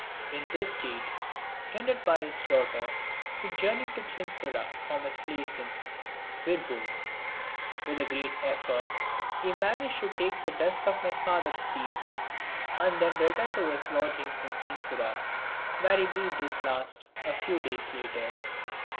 In this state, tended by his daughter, he journeyed to Chinsurah from his place in Birbhoom. With a great effort he managed to take the dust of my father's feet and then return to his lodgings in Chinsurah where he breathed his last a few days later.